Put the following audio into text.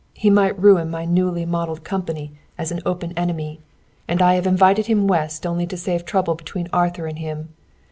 He might ruin my newly modelled company as an open enemy. And I have invited him West only to save trouble between Arthur and him.